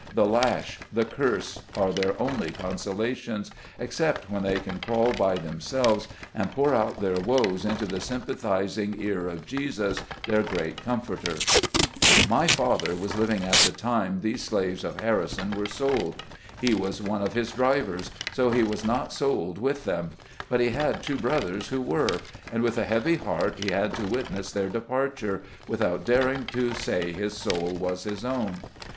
The lash, the curse, are their only consolations, except when they can crawl by themselves, and pour out their woes into the sympathizing ear of Jesus, their great Comforter. 210 SKETCHES OF SLAVE LIFE. My father was living at the time these slaves of Harrison were sold. He was one of his drivers, so he was not sold with them ; but he had two brothers who were, and with a heavy heart he had to witness their departure, without daring to say his soul was his own.